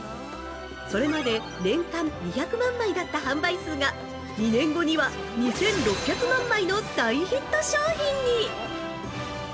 それまで年間２００万枚だった販売数が、２年後には２６００万枚の大ヒット商品に！